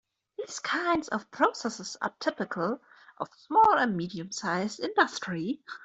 These kinds of processes are typical of small and medium-size industry.